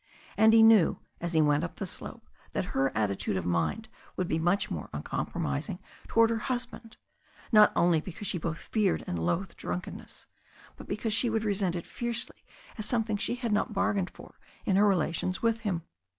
And he knew, as he went up the slope, that her attitude of mind would be much more uncompromising toward her husband, not only because she both feared and loathed drunkenness, but because she would resent it fiercely as something she had not bargained for in her relations with him.